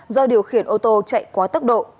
do điều khiển ô tô chạy quá tốc độ